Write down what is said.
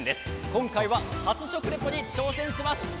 今回は初食リポに挑戦します。